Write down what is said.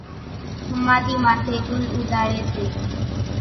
ۿماۮِي ماٿيَ ڳُل اُوڏاڙي سي